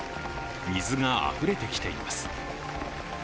水があふれてきています。